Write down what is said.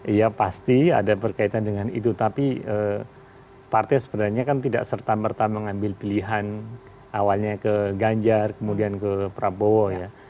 iya pasti ada berkaitan dengan itu tapi partai sebenarnya kan tidak serta merta mengambil pilihan awalnya ke ganjar kemudian ke prabowo ya